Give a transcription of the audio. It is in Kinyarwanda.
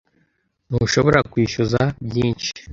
Ntushobora kwishyuza byinshi.